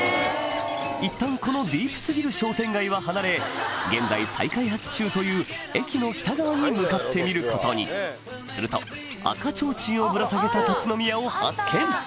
いったんこのディープ過ぎる商店街は離れ現在再開発中という駅の北側に向かってみることにすると赤ちょうちんをぶら下げた立ち飲み屋を発見